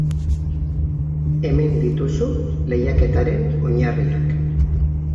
Hemen dituzu lehiaketaren oinarriak.